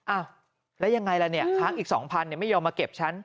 อ้าวแล้วยังไงละเนี่ยค้างอีกสองพันเนี่ยไม่ยอมมาเก็บฉัน